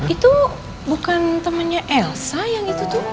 itu bukan temannya elsa yang itu tuh